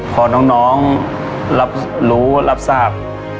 พอน้องรับรู้รับทราบ